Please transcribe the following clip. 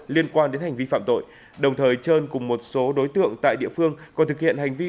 liên quan đến hành vi phạm tội đồng thời trơn cùng một số đối tượng tại địa phương còn thực hiện hành vi